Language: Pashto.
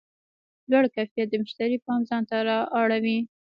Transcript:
لوړ کیفیت د مشتری پام ځان ته رااړوي.